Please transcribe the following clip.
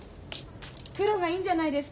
黒がいいんじゃないですか？